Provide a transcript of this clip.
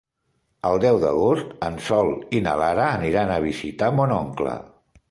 El deu d'agost en Sol i na Lara aniran a visitar mon oncle.